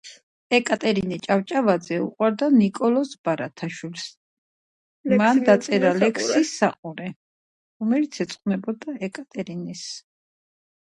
განიხილებოდა, რომ ეს გადაწყვეტილება გაზრდიდა ინგლისური კლუბების დონეს და ისინი წარმატებით გამოვიდოდნენ ევროთასებზე.